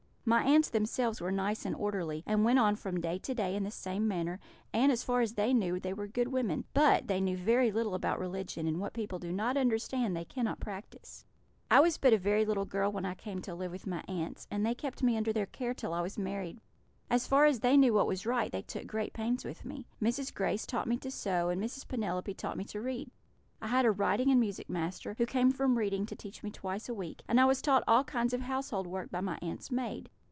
My aunts themselves were nice and orderly, and went on from day to day in the same manner, and, as far as they knew, they were good women; but they knew very little about religion, and what people do not understand they cannot practise. [Illustration: "Mrs. Grace taught me to sew, and Mrs. Penelope taught me to read." Page 10.] "I was but a very little girl when I came to live with my aunts, and they kept me under their care till I was married. As far as they knew what was right, they took great pains with me. Mrs. Grace taught me to sew, and Mrs. Penelope taught me to read. I had a writing and music master, who came from Reading to teach me twice a week; and I was taught all kinds of household work by my aunts' maid.